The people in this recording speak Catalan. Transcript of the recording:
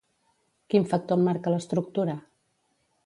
Quin factor en marca l'estructura?